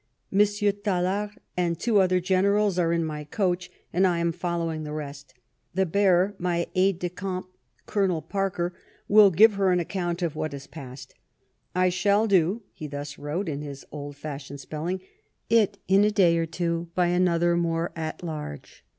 Monsr. Tallard and two other Generals are in my Coach, and I am following the rest. The bearer, my Aide de Camp, Coll. Parke, will give Her an account of what has pass'd. I shall doe," he thus wrote, in his old fashioned spelling, " it in a day or two by another more att large."